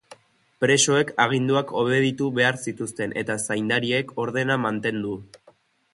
Presoek aginduak obeditu behar zituzten, eta zaindariek ordena mantendu.